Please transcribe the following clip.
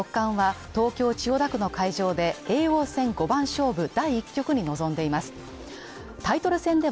将棋の藤井聡太六冠は東京千代田区の会場で叡王戦五番勝負第１局に臨んでいます。